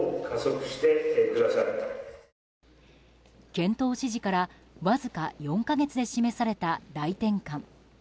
検討指示からわずか４か月で示された大転換。